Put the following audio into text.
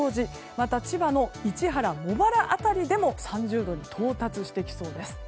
また、千葉の市原茂原辺りでも３０度に到達してきそうです。